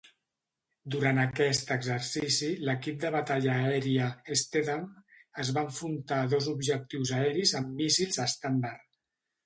Durant aquest exercici, l'equip de batalla aèria "Stethem" es va enfrontar a dos objectius aeris amb míssils estàndard.